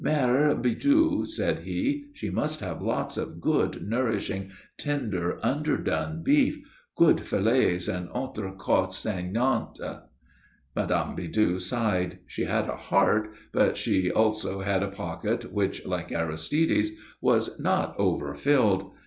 "Mère Bidoux," said he, "she must have lots of good, nourishing, tender, underdone beef, good fillets, and entrecôtes saignantes." Mme. Bidoux sighed. She had a heart, but she also had a pocket which, like Aristide's, was not over filled.